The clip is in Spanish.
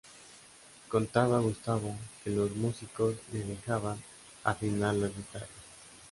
Contaba Gustavo que los músicos le dejaban afinar las guitarras.